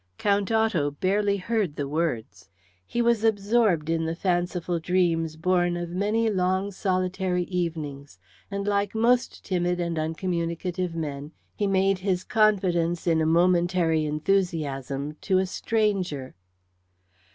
Count Otto barely heard the words. He was absorbed in the fanciful dreams born of many long solitary evenings, and like most timid and uncommunicative men he made his confidence in a momentary enthusiasm to a stranger.